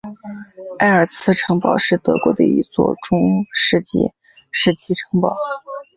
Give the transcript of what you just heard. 埃尔茨城堡是德国的一座中世纪时期城堡。